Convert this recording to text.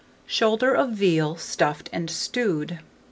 SHOULDER OF VEAL, Stuffed and Stewed.